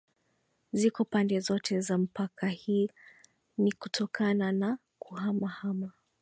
Ziko pande zote za mpaka hii ni kutokana na kuhama hama